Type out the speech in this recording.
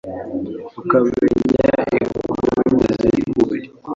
Ukamenya Ikunge ziri ku buriri !